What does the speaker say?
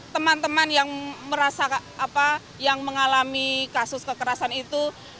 teman teman yang merasa apa yang mengalami kasus kekerasan itu